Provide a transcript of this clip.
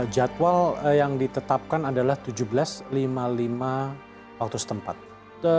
jadwal yang ditetapkan adalah tujuh belas lima puluh lima waktu setempat